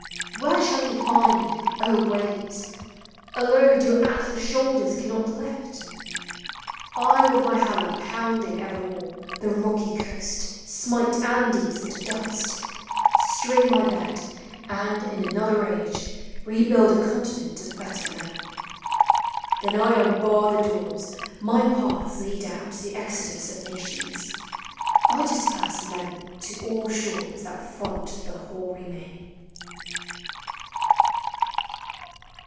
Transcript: Where shall he find, O waves ! A load your Atlas shoulders cannot lift? I with my hammer pounding evermore The rocky coast, smite Andes into dust, Strewing my bed, and, in another age, 374 THE SEA. 37 lebuild a continent of better men. rhen I unbar the doors: my paths lead out rhe exodus of nations: I disperse !klen to all shores that front the hoary main.